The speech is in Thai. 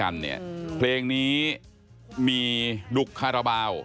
มีลุคคาราบาว